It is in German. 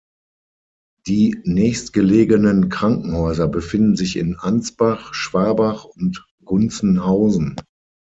Die nächstgelegenen Krankenhäuser befinden sich in Ansbach, Schwabach und Gunzenhausen.